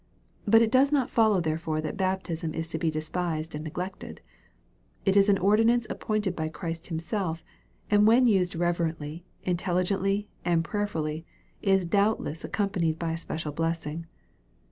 But it does not follow therefore that baptism is to be despised and neglected It is an ordinance appointed by Christ Himself, and when used reverently, intelligently, and prayerfully, is doubtless accompanied by a special blessing.